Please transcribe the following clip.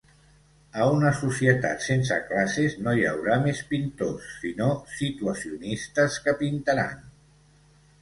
A una societat sense classes no hi haurà més pintors, sinó situacionistes que pintaran.